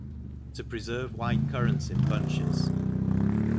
Topreferve White Currants in Bunches.